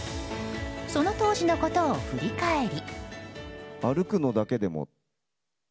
その当時のことを振り返り。